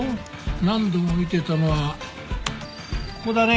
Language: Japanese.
何度も見てたのはここだね。